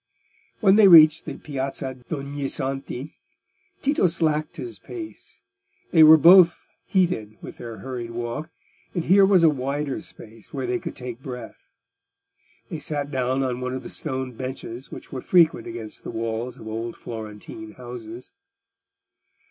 When they reached the Piazza d'Ognissanti, Tito slackened his pace: they were both heated with their hurried walk, and here was a wider space where they could take breath. They sat down on one of the stone benches which were frequent against the walls of old Florentine houses.